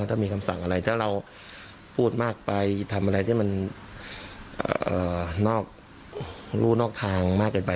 ถ้ามีคำสั่งอะไรถ้าเราพูดมากไปทำอะไรที่มันนอกรู้นอกทางมากเกินไป